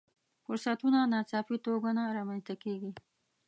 فرصتونه ناڅاپي توګه نه رامنځته کېږي.